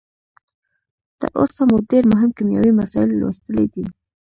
تر اوسه مو ډیر مهم کیمیاوي مسایل لوستلي دي.